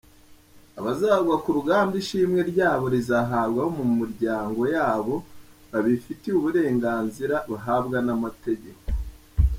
Abazagwa kurugamba ishimwe ryabo rizahabwa abo mu miryango yabo babifitiye uburenganzira bahabwa n’amategeko.